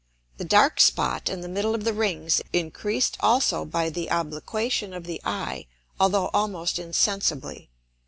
The dark Spot in the middle of the Rings increased also by the Obliquation of the Eye, although almost insensibly.